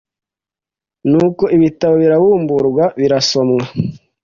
nuko ibitabo birabumburwa birasomwa